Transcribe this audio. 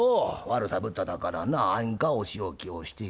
悪さぶっただからなあんかお仕置きをして。